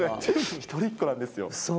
一人っ子なんですよ。